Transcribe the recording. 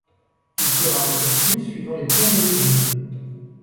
Il sera reconstruit suivant les plans d'origine.